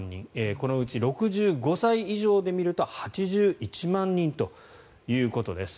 このうち６５歳以上で見ると８１万人ということです。